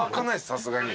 さすがに。